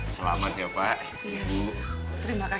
selamat ya pak